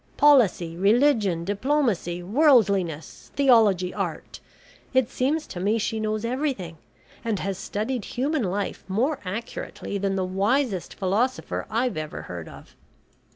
Policy, religion, diplomacy, worldliness, theology, art. It seems to me she knows everything, and has studied human life more accurately than the wisest philosopher I've ever heard of."